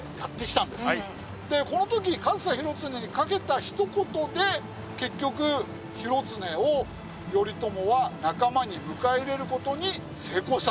この時上総広常にかけたひと言で結局広常を頼朝は仲間に迎え入れる事に成功したんです。